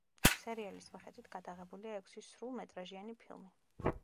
სერიალის მიხედვით გადაღებულია ექვსი სრულმეტრაჟიანი ფილმი.